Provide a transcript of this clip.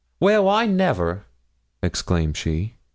'Well, I never!' exclaimed she.